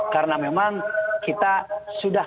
karena memang kita sudah